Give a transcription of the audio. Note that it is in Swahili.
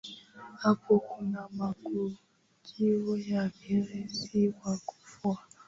apo kuna matukio ya wizi wakura